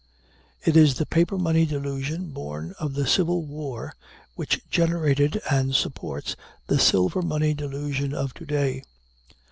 It is the paper money delusion born of the civil war which generated and supports the silver money delusion of to day.